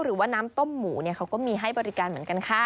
หรือว่าน้ำต้มหมูเขาก็มีให้บริการเหมือนกันค่ะ